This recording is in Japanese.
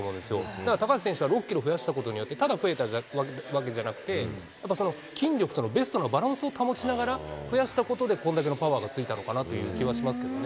だから高橋選手は６キロ増やしたことによって、ただ増えたわけじゃなくて、筋力とのベストのバランスを保ちながら、増やしたことで、これだけなパワーがついたのかなという気はしますけれどもね。